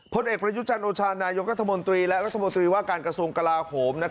ผลเอกประยุจันทร์โอชานายกรัฐมนตรีและรัฐมนตรีว่าการกระทรวงกลาโหม